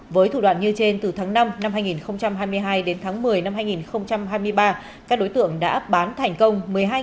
với thủ đoạn như trên từ tháng năm năm hai nghìn hai mươi hai đến tháng một mươi năm hai nghìn hai mươi ba các đối tượng đã bán thành công